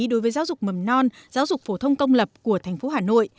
đối với giáo dục mầm non giáo dục phổ thông công lập của tp hà nội